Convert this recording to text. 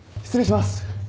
失礼します。